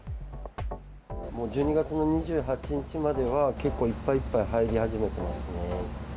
１２月の２８日までは、結構いっぱいいっぱい入り始めてますね。